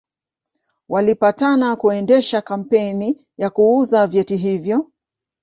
Walipatana kuendesha kampeni ya kuuza vyeti hivyo